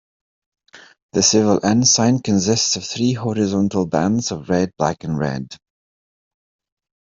The civil ensign consists of three horizontal bands of red, black, and red.